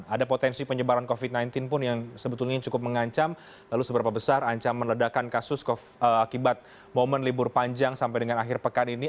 ada potensi penyebaran covid sembilan belas pun yang sebetulnya cukup mengancam lalu seberapa besar ancaman ledakan kasus akibat momen libur panjang sampai dengan akhir pekan ini